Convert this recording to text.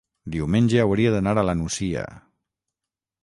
Diumenge hauria d'anar a la Nucia.